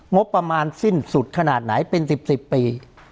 งบประมาณสิ้นสุดขนาดไหนเป็น๑๐ปี